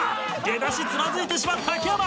出だしつまずいてしまった秋山。